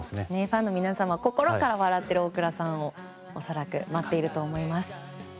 ファンの皆さんも心から笑っている大倉さんを恐らく待っていると思います。